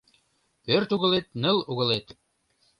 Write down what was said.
Пӧрт угылет — ныл угылет